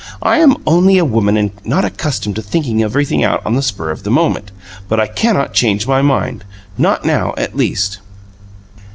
"I am only a woman and not accustomed to thinking everything out on the spur of the moment; but I cannot change my mind. Not now, at least."